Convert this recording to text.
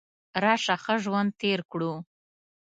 راشه ښه ژوند تیر کړو .